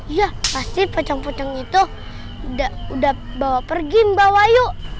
iya pasti pacang pacang itu udah bawa pergi mba wayu